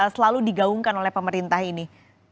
selalu digaungkan oleh pemerintah ini